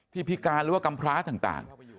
ที่พิการหรือกรรมพระต่าง